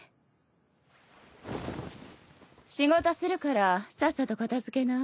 仕事するからさっさと片付けな。